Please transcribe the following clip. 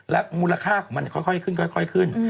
มูลค่าของมันค่อยขึ้น